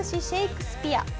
シェイクスピア